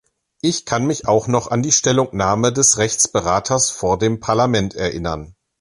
Ich kann mich auch noch an die Stellungnahme des Rechtsberaters vor dem Parlament erinnern.